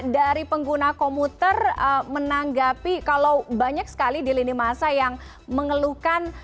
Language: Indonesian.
dari pengguna komuter menanggapi kalau banyak sekali di lini masa yang mengeluhkan